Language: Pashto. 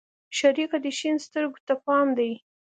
شريکه دې شين سترگو ته پام دى؟